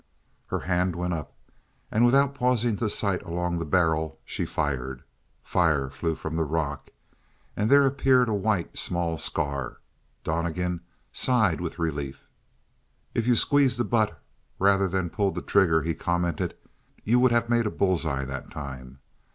Her hand went up, and without pausing to sight along the barrel, she fired; fire flew from the rock, and there appeared a white, small scar. Donnegan sighed with relief. "If you squeezed the butt rather than pulled the trigger," he commented, "you would have made a bull's eye that time.